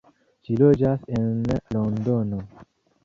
Ŝi loĝas en Londono.